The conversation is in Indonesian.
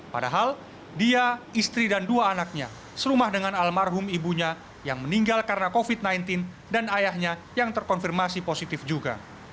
padahal dia istri dan dua anaknya serumah dengan almarhum ibunya yang meninggal karena covid sembilan belas dan ayahnya yang terkonfirmasi positif juga